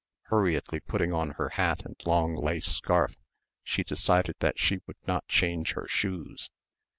Hurriedly putting on her hat and long lace scarf she decided that she would not change her shoes.